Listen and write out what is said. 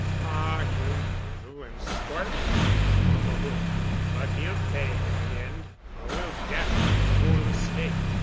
Ah, he'll wriggle and squirm a bit, on the hook, but he'll pay in the end—or we'll gaff him for the whole estate."